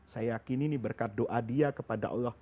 saya yakini berkat doa dia kepada allah